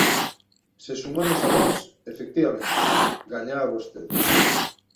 Se sumamos a Vox, efectivamente, gañaba vostede.